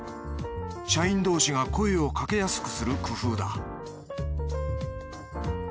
社員同士が声をかけやすくする工夫だ